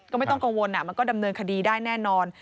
ก็ไม่ต้องกังวลมันก็ดำเนินคดีได้แน่นอน